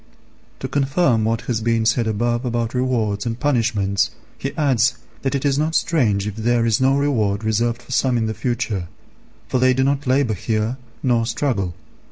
To confirm what has been said above about rewards and punishments, he adds that it is not strange if there is no reward reserved for some in the future; for they do not labour here nor struggle.